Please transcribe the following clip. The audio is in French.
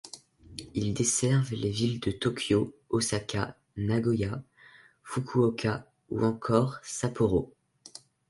Ils desservent les villes de Tokyo, Ōsaka, Nagoya, Fukuoka ou encore Sapporo.